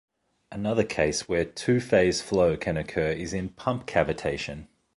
Another case where two-phase flow can occur is in pump cavitation.